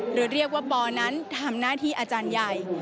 หรือเรียกว่าบอนั้นทำหน้าที่อาจารย์ใหญ่